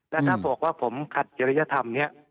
แล้วถ้าบอกว่าผมขัดจริยธรรมเนี่ย